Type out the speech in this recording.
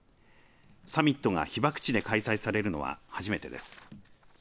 サミットが被爆地で開催されるのは初めてです。